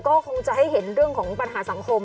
ก็คงจะให้เห็นเรื่องของปัญหาสังคม